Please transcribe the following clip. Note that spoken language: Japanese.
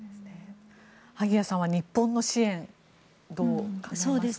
萩谷さんは日本の支援どう感じますか。